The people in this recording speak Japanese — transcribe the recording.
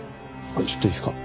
ちょっといいですか？